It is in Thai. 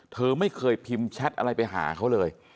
เธอไม่เคยพิมพ์แชทอะไรไปหาเขาเลย